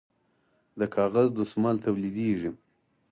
د کاغذ دستمال تولیدیږي